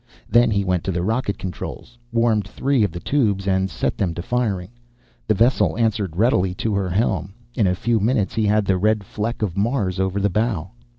Then he went to the rocket controls, warmed three of the tubes, and set them to firing. The vessel answered readily to her helm. In a few minutes he had the red fleck of Mars over the bow.